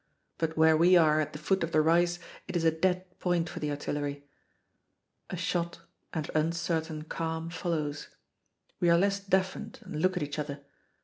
But where we are at the foot of the rise it is a dead point for the artillery. A short and uncertain calm follows. We are less deafened and look at each other.